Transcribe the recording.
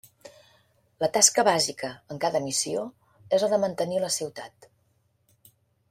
La tasca bàsica en cada missió és la de mantenir la ciutat.